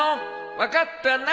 分かったな？